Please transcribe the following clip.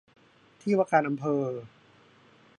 ที่ว่าการอำเภอ